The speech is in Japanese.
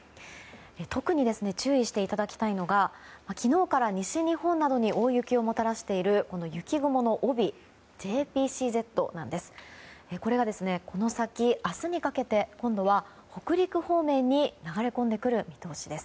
特に注意していただきたいのが昨日から西日本などに大雪をもたらしているこの雪雲の帯ＪＰＣＺなんです。